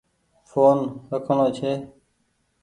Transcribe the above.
ڦون رکڻو ڇي۔